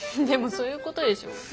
でもそういうことでしょ？